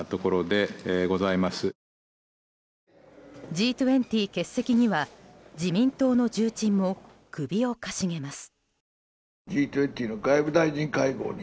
Ｇ２０欠席には自民党の重鎮も首をかしげます。